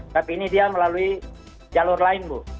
tapi ini dia melalui jalur lain bu